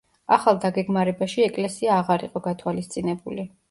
ახალ დაგეგმარებაში ეკლესია აღარ იყო გათვალისწინებული.